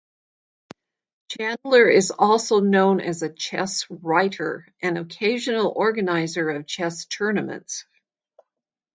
Chandler is also known as a chess writer and occasional organiser of chess tournaments.